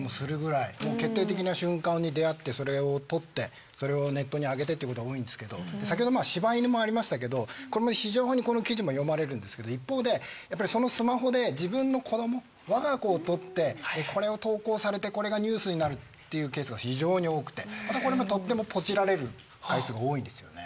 もう決定的な瞬間に出合ってそれを撮ってそれをネットに上げてっていうことは多いんですけど先ほど柴犬もありましたけど非常にこの記事も読まれるんですけど一方でやっぱりそのスマホで自分の子供わが子を撮ってこれを投稿されてこれがニュースになるっていうケースが非常に多くてまたこれもとってもポチられる回数が多いんですよね。